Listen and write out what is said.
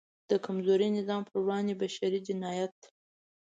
د کمزوري نظام پر وړاندې بشری جنایت دی.